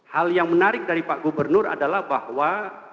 hal yang menarik dari pak gubernur adalah bahwa